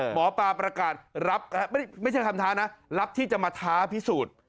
หมอปลาประกาศรับไม่ใช่คำท้านะรับที่จะมาท้าพิสูจน์